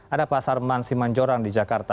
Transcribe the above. ada pak sarman simanjorang di jakarta